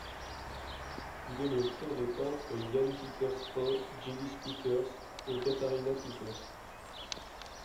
Il est le frère des peintres Jan Peeters I, Gillis Peeters, et Catharina Peeters.